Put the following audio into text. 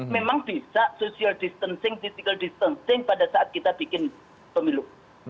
memang bisa social distancing physical distancing pada saat kita bikin pemilu